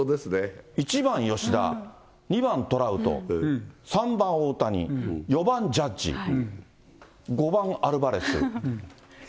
１番吉田、２番トラウト、３番大谷、４番ジャッジ、５番アルバレス。